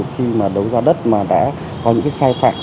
khi mà đấu giá đất mà đã có những cái sai phạm